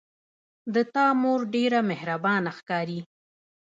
د تا مور ډیره مهربانه ښکاري